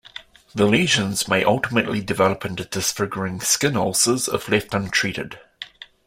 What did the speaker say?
The lesions may ultimately develop into disfiguring skin ulcers if left untreated.